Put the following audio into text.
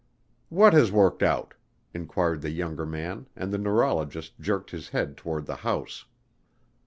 "What has worked out?" inquired the younger man and the neurologist jerked his head toward the house.